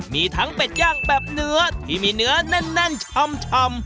มีทั้งเป็ดย่างแบบเนื้อที่มีเนื้อแน่นชำ